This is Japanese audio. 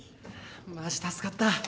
マジ助かった。